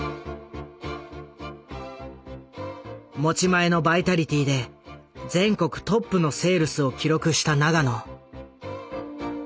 持ち前のバイタリティーで全国トップのセールスを記録した永野。